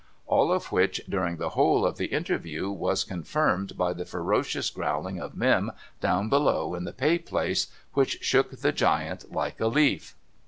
All of which, during the whole of the interview, was confirmed by the ferocious growling of Mim down below in the pay place, which shook the giant like a leaf.